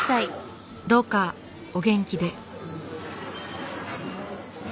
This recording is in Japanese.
どうかお元気で。